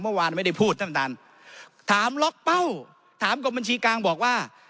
เมื่อวานไม่ได้พูดท่านท่านถามล็อกเป้าถามกรมบัญชีกลางบอกว่า